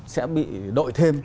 sẽ bị đội thêm